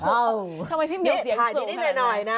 ทำไมพี่เวียเสียงส่งกันนะนะนี่ถ่ายฤทธิ์นิดหน่อยนะ